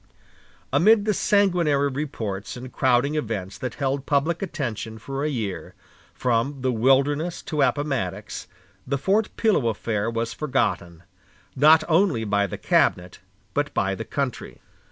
Amid the sanguinary reports and crowding events that held public attention for a year, from the Wilderness to Appomattox, the Fort Pillow affair was forgotten, not only by the cabinet, but by the country.